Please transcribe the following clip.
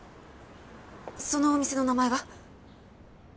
そのお店の名前は？